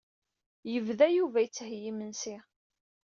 Yebda Yuba yettheyyi imensi.